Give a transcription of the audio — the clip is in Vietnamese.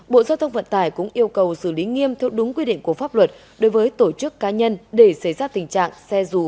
bộ giao thông vận tải cũng yêu cầu xử lý nghiêm theo đúng quy định của pháp luật đối với tổ chức cá nhân để xảy ra tình trạng xe rù